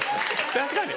確かに。